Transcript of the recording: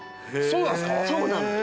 そうなの。